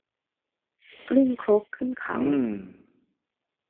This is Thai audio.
กลิ้งครกขึ้นเขา